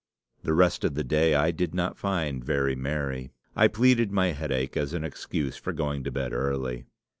"The rest of the day I did not find very merry. I pleaded my headache as an excuse for going to bed early.